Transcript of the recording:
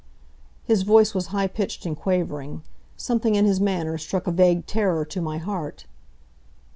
His voice was high pitched and quavering. Something in his manner struck a vague terror to my heart.